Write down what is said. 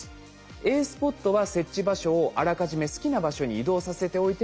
Ａスポットは設置場所をあらかじめ好きな場所に移動させておいてもＯＫ。